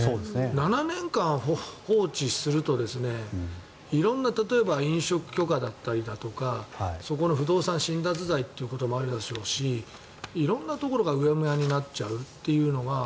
７年間放置すると色んな例えば、飲食許可だったりだとかそこの不動産侵奪罪ということもあるでしょうし色んなところがうやむやになっちゃうというのが。